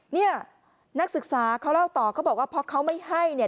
เนี่ยนักศึกษาเขาเล่าต่อเขาบอกว่าพอเขาไม่ให้เนี่ย